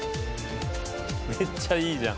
めっちゃいいじゃん。